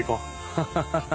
ハハハハ。